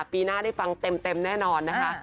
ปีหน้าได้ฟังเต็มแน่นอนนะคะ